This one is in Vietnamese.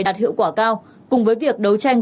đạt hiệu quả cao cùng với việc đấu tranh